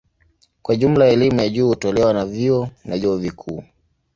Kwa jumla elimu ya juu hutolewa na vyuo na vyuo vikuu.